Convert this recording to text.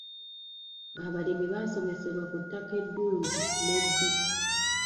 Abalimi baasomesebwa ku ttaka eddungi n'ebbi.